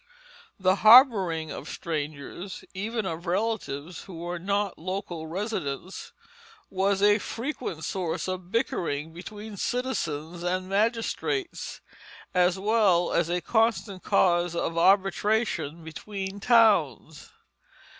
The harboring of strangers, even of relatives who were not local residents, was a frequent source of bickering between citizens and magistrates, as well as a constant cause of arbitration between towns.